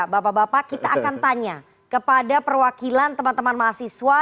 bapak bapak kita akan tanya kepada perwakilan teman teman mahasiswa